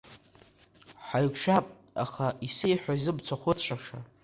Ҳаиқәшәап, аха исеиҳәои зымцахә ыцәаша?